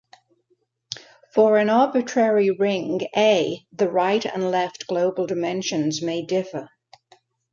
For an arbitrary ring "A" the right and left global dimensions may differ.